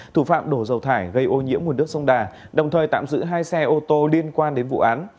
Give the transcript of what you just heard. thủ phạm đổ dầu thải gây ô nhiễm nguồn nước sông đà đồng thời tạm giữ hai xe ô tô liên quan đến vụ án